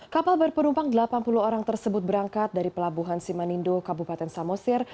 kapal berpenumpang delapan puluh orang tersebut berangkat dari pelabuhan simanindo kabupaten samosir